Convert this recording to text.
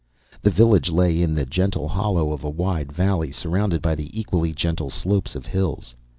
The village lay in the gentle hollow of a wide valley, surrounded by the equally gentle slopes of hills.